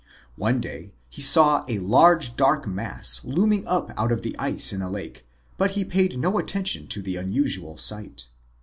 One day he saw a huge, dark mass looming up out of the ice in the lake, but he paid no attention to the unusual sight.